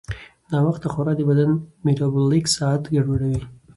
ناوخته خورا د بدن میټابولیک ساعت ګډوډوي.